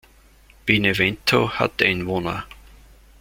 Benevento hat Einwohner.